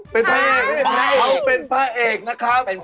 เป็นพระเอก